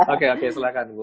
oke oke silahkan bu